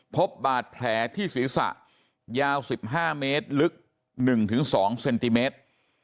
พบบาดแผลที่ศีรษะยาว๑๕เมตรลึก๑๒เซนติเมตร